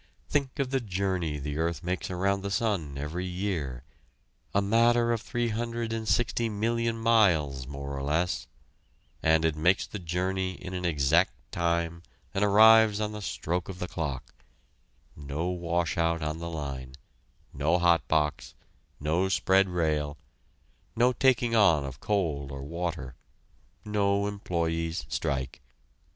Think of the journey the earth makes around the sun every year a matter of 360,000,000 miles more or less and it makes the journey in an exact time and arrives on the stroke of the clock, no washout on the line; no hot box; no spread rail; no taking on of coal or water; no employees' strike.